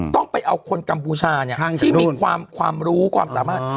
ต้องไปเอาคนกัมพูชาที่มีความรู้ความสามารถ